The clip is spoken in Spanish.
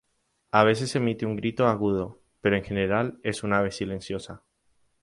A veces emite un grito agudo; pero en general es un ave silenciosa.